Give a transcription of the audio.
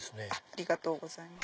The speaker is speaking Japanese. ありがとうございます。